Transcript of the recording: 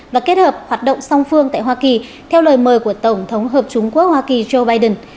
và kết hợp hoạt động song phương tại hoa kỳ theo lời mời của tổng thống hợp chúng quốc hoa kỳ joe biden